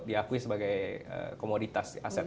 diakui sebagai komoditas aset gitu ya di under bapepti